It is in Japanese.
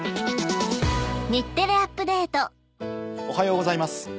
おはようございます。